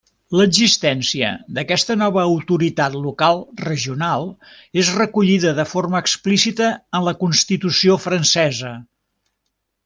L'existència d'aquesta nova autoritat local regional és recollida de forma explícita en la Constitució francesa.